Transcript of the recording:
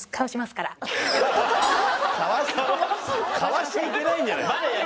かわしちゃいけないんじゃない？